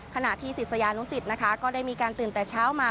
ขณะที่ศิษยานุสิตนะคะก็ได้มีการตื่นแต่เช้ามา